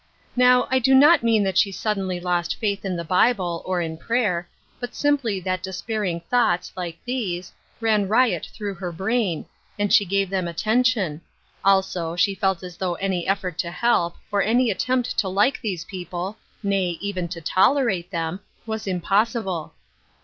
Now, I do not mean that she suddenly lost faith in the Bible, or in prayer, but simply that despairing thoughts, like these, ran riot through her brain, and she gave them attention ; also, she felt as though any effort to help, or any attempt to like these people — nay, even to tolerate them — was impossible.